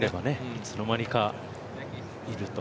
いつの間にかいると。